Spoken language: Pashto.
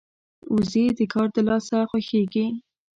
وزې د کار د لاسه خوښيږي